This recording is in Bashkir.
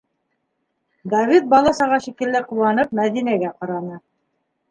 - Давид бала-саға шикелле ҡыуанып Мәҙинәгә ҡараны.